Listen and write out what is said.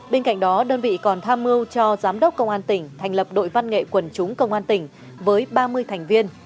bên cạnh đó đơn vị còn tham mưu cho giám đốc công an tỉnh thành lập đội văn nghệ quần chúng công an tỉnh với ba mươi thành viên